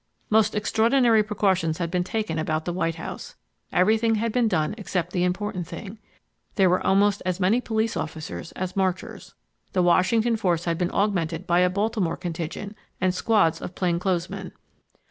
Most extraordinary precautions had been taken about the White House. Everything had been done except the important thing. There were almost as many police officers as marchers. The Washington force had been augmented by a Baltimore contingent and squads of plainclothes men.